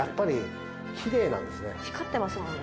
光ってますもんね。